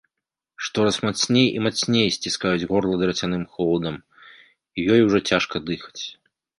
Штораз мацней і мацней сціскаюць горла драцяным холадам, і ёй ужо цяжка дыхаць.